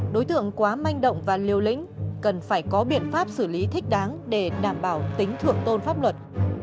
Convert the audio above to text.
đối tượng quá manh động và liều lĩnh cần phải có biện pháp xử lý thích đáng để đảm bảo tính thượng tôn pháp luật